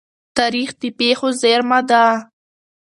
تاریخ د پېښو زيرمه ده.